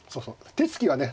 手つきはね